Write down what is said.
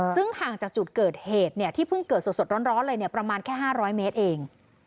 ซึ่งห่างจากจุดเกิดเหตุที่เพิ่งเกิดสดร้อนเลยประมาณแค่๕๐๐เมตรเอง